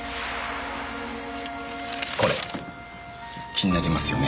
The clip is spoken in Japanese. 気になりますよね。